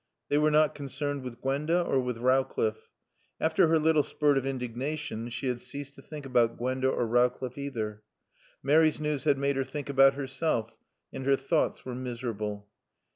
They were not concerned with Gwenda or with Rowcliffe. After her little spurt of indignation she had ceased to think about Gwenda or Rowcliffe either. Mary's news had made her think about herself, and her thoughts were miserable.